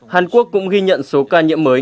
hàn quốc cũng ghi nhận số ca nhiễm mới